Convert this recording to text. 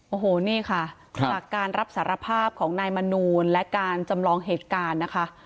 โอ้โหนี่ค่ะจากการรับสารภาพของนายมนูลและการจำลองเหตุการณ์นะคะ